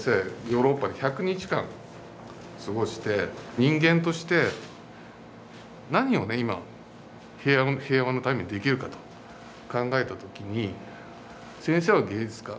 ヨーロッパで１００日間過ごして人間として何をね今平和のためにできるかと考えたときに先生は芸術家。